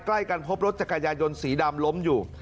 ใกล้กันพบรถจักรยายนสีดำล้มอยู่